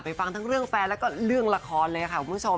ฟังทั้งเรื่องแฟนแล้วก็เรื่องละครเลยค่ะคุณผู้ชม